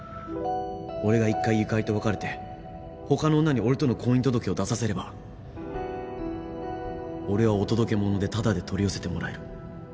俺が一回ゆかりと別れて他の女に俺との婚姻届を出させれば俺はオトドケモノでタダで取り寄せてもらえる。